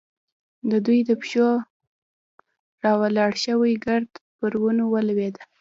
د دوی د پښو راولاړ شوی ګرد پر ونو لوېده.